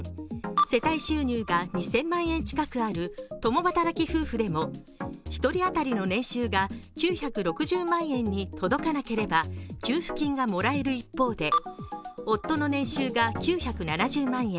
世帯収入が２０００万円近くある共働き世帯でも１人当たりの年収が９６０万円に届かなければ給付金がもらえる一方で夫の年収が９７０万円